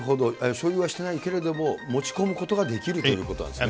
所有はしてないけれども、持ち込むことができるということなんですね。